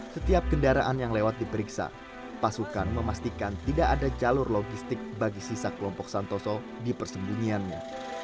setiap kendaraan yang lewat diperiksa pasukan memastikan tidak ada jalur logistik bagi sisa kelompok santoso di persembunyiannya